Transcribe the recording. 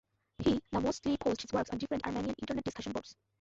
He now mostly posts his works on different Armenian internet discussion boards.